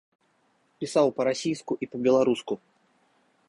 Пісаў па-расійску і па-беларуску.